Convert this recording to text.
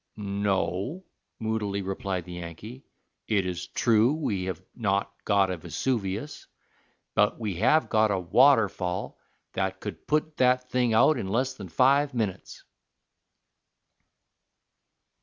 "No," moodily replied the Yankee. "It is true we have not got a Vesuvius, but we have got a waterfall that could put that thing out in less than five minutes."